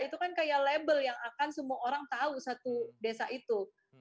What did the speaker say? itu kan kayak label yang akan semua orang tahu satu desa itu